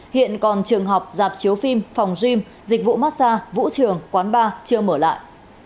hiện còn trường học giạp chiếu phim phòng gym dịch vụ mát xa vũ trường quán bar chưa mở lại